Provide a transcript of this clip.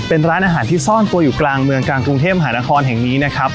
เป็นร้านอาหารที่ซ่อนตัวอยู่กลางเมืองกลางกรุงเทพหานครแห่งนี้นะครับ